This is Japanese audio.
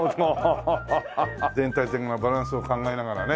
全体的なバランスを考えながらね。